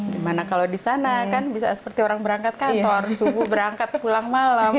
gimana kalau di sana kan bisa seperti orang berangkat kantor subuh berangkat pulang malam